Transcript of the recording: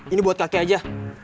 ini buat kakek aja